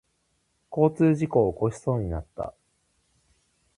交通事故を起こしそうになった。